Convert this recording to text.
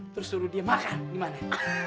terus suruh dia makan gimana